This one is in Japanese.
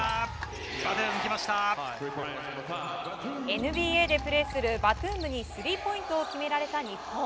ＮＢＡでプレーするバトゥームにスリーポイントを決められた日本。